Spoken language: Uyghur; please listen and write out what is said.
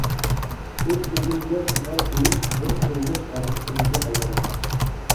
ئۆز ئۆزۈمگە سوئال قويۇش بىر تۇرمۇش ئادىتىمگە ئايلاندى.